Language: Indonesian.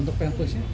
untuk penkurs ya